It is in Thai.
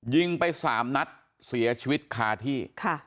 ยิงไป๓นัดเสียชีวิตคาที่